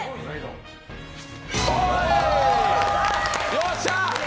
よっしゃ！